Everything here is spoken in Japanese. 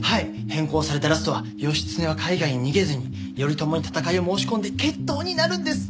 変更されたラストは義経は海外に逃げずに頼朝に戦いを申し込んで決闘になるんです。